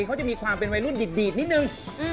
เขาจะมีความเป็นวัยรุ่นดีดนิดนึง